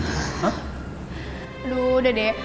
aduh udah deh